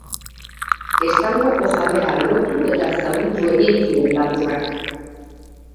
Estankoko jabea lotu eta zauritu egin zuen lapurrak.